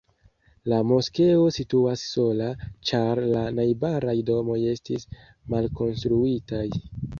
La moskeo situas sola, ĉar la najbaraj domoj estis malkonstruitaj.